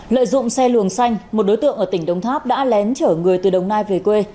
lợi dụng xe luồng xanh một đối tượng ở tỉnh đồng tháp đã lén chở người từ đồng nai về quê